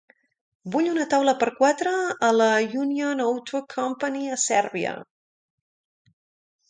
Vull una taula per a quatre a la Union Auto Company a Sèrbia.